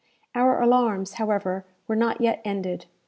Our alarms, however, were not yet ended.